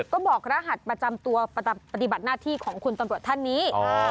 ก็บอกรหัสประจำตัวปฏิบัติหน้าที่ของคุณตำรวจท่านนี้